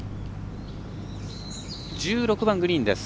１６番、グリーンです。